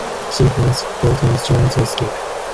She finds a boat and joins the escape.